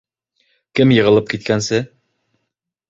— Кем йығылып киткәнсе?